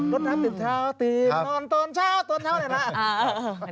รถน้ำติดเท้าตีบนอนตอนเช้าตอนเช้าเนี่ยนะ